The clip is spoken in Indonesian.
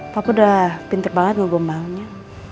papa udah pinter banget ngegembangnya